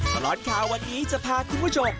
ขอร้อนค่ะวันนี้จะพาทุกผู้ชม